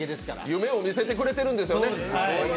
夢を見せてくれているんですよね。